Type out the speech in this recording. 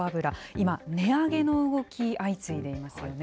今、値上げの動き、相次いでいますよね。